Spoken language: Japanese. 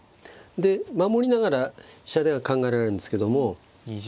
で守りながら飛車出は考えられるんですけども。